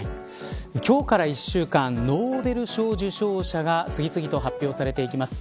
今日から一週間ノーベル賞受賞者が次々と発表されていきます。